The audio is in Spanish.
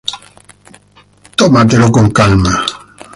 Take It Easy!